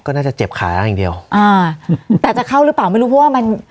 ก็น่าจะเจ็บขาอย่างเดียวอ่าแต่จะเข้าหรือเปล่าไม่รู้เพราะว่ามัน